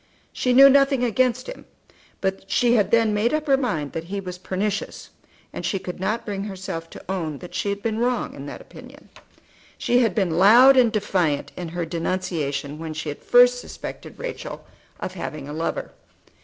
She knew nothing against him; but she had then made up her mind that he was pernicious, and she could not bring herself to own that she had been wrong in that opinion. She had been loud and defiant in her denunciation when she had first suspected Rachel of having a lover.